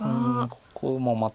ここもまた。